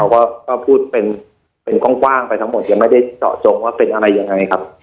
ก็พูดเป็นกว้างไปทั้งหมดยังไม่ได้เจาะจงว่าเป็นอะไรยังไงครับ